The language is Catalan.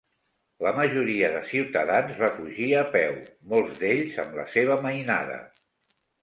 La majoria de ciutadans va fugir a peu, molts d'ells amb la seva mainada.